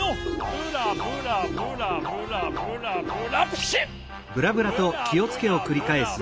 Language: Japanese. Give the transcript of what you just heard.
ブラブラブラブラブラブラピシッ！